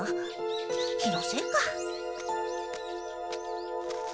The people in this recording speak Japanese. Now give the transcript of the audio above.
気のせいか。